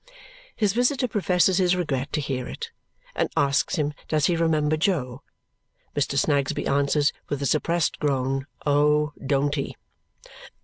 His visitor professes his regret to hear it and asks him does he remember Jo. Mr. Snagsby answers with a suppressed groan, oh, don't he!